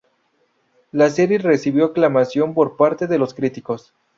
La serie recibió aclamación por parte de los críticos.